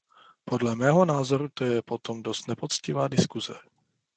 Podle mého názoru to je potom dost nepoctivá diskuse.